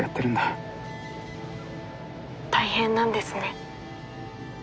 大変なんですね。